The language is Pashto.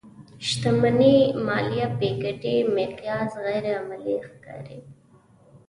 شتمنۍ ماليه پيکيټي مقیاس غیر عملي ښکاري.